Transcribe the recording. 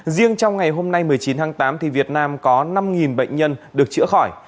riêng trong ngày hôm nay một mươi chín tháng tám việt nam có năm bệnh nhân được chữa khỏi